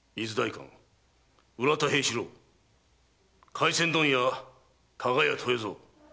廻船問屋・加賀屋豊造。